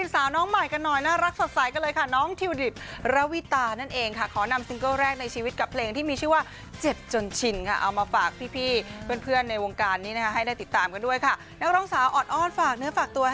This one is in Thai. ไปชินได้ยังไงเคยองหักกับเขาหรือเปล่า